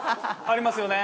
ありますよね。